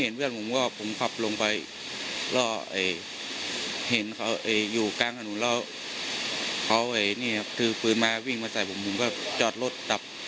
นี่มีอีกคนหนึ่งนะ